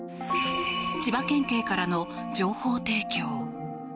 千葉県警からの情報提供。